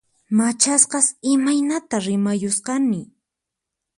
Machasqas imaymanata rimayusqani